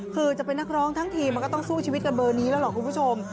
คือจะเป็นนักร้องทั้งทีมันก็ต้องสู้ชีวิตกันเบอร์นี้แล้วล่ะคุณผู้ชม